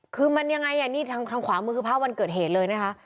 คือมันยังไงทางขวามือคือพระวันเกิดเหตุเลยนะคะ